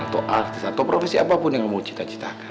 atau artis atau profesi apapun yang kamu cita citakan